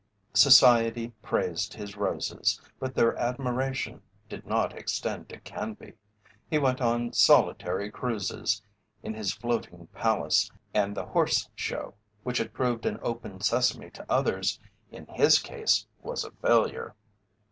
Society praised his roses, but their admiration did not extend to Canby; he went on solitary cruises, in his floating palace and the Horse Show, which had proved an open sesame to others, in his case was a failure.